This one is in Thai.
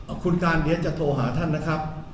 คุณการเดี๋ยวจะโทรหาท่านนะครับ